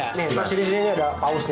nah di sini ada paus nih